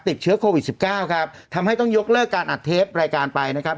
ติดเชื้อโควิดสิบเก้าครับทำให้ต้องยกเลิกการอัดเทปรายการไปนะครับ